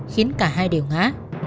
khiến cả hai đều ngã